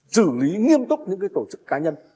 xử lý nghiêm túc những tổ chức cá nhân